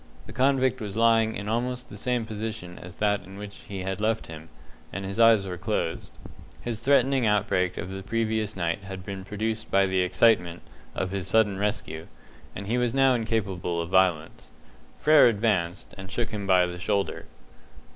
The convict was lying in almost the same position as that in which he had left him, and his eyes were closed. His threatening outbreak of the previous night had been produced by the excitement of his sudden rescue, and he was now incapable of violence. Frere advanced, and shook him by the shoulder.